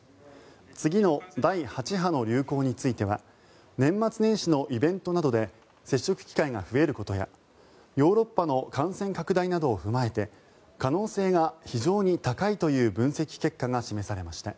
次の第８波の流行については年末年始のイベントなどで接触機会が増えることやヨーロッパの感染拡大などを踏まえて可能性が非常に高いという分析結果が示されました。